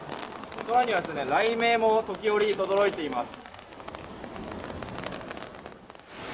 空には雷鳴も時折とどろいています。